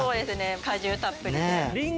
果汁たっぷりで。